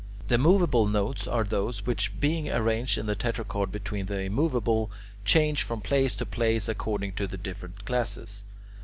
The moveable notes are those which, being arranged in the tetrachord between the immoveable, change from place to place according to the different classes.